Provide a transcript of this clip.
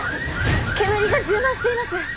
煙が充満しています。